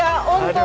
selamat pagi baru